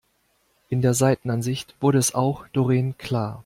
In der Seitenansicht wurde es auch Doreen klar.